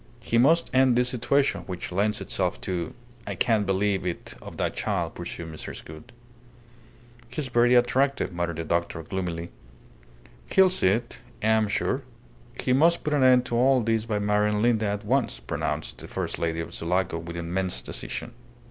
"He must end this situation which lends itself to I can't believe it of that child," pursued Mrs. Gould. "He's very attractive," muttered the doctor, gloomily. "He'll see it, I am sure. He must put an end to all this by marrying Linda at once," pronounced the first lady of Sulaco with immense decision.